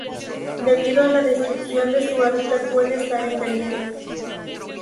Debido a la destrucción de su hábitat puede estar en peligro.